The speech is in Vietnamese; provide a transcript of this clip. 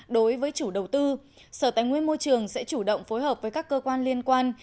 đối với chủ đầu tư sở tài nguyên môi trường sẽ chủ động phối hợp với các cơ quan liên quan